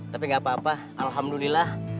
tapi gak apa apa alhamdulillah